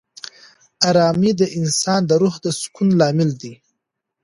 آرامي د انسان د روح د سکون لامل ده.